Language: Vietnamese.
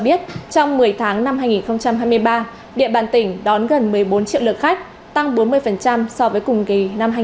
biết trong một mươi tháng năm hai nghìn hai mươi ba địa bàn tỉnh đón gần một mươi bốn triệu lượt khách tăng bốn mươi so với cùng kỳ năm hai nghìn hai mươi hai